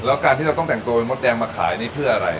แล้วการที่เราต้องแต่งตัวเป็นมดแดงมาขายนี่เพื่ออะไร